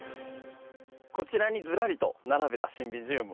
こちらにずらりと並べたシンビジウム。